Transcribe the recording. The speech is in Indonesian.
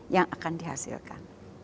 yang akan dihasilkan